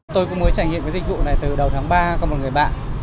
tôi cũng mới trải nghiệm cái dịch vụ này từ đầu tháng ba có một người bạn